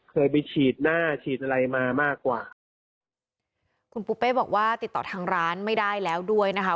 เคยไปฉีดหน้าฉีดอะไรมามากกว่าคุณปูเป้บอกว่าติดต่อทางร้านไม่ได้แล้วด้วยนะคะ